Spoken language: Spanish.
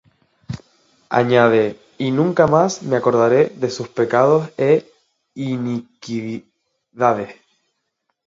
Añade: Y nunca más me acordaré de sus pecados é iniquidades.